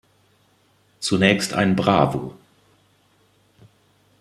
Zunächst ein Bravo.